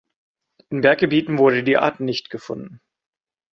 In Berggebieten wurde die Art nicht gefunden.